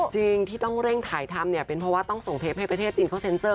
จริงที่ต้องเร่งถ่ายทำเนี่ยเป็นเพราะว่าต้องส่งเทปให้ประเทศจีนเขาเซ็นเซอร์